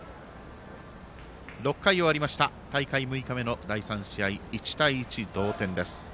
６回終わりました、大会６日目の第３試合、１対１、同点です。